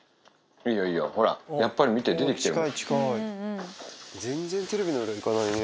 いいよ、いいよ、ほら、やっぱり見て、出てきてるもん。